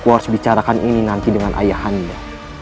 aku harus bicarakan ini nanti dengan ayah anda